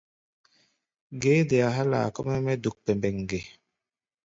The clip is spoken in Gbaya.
Ge é dea há̧ laa kɔ́-mɛ́ mɛ́ duk pɛmbɛŋ ge?